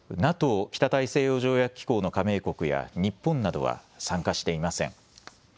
・北大西洋条約機構の加盟国や日本などは参加していません。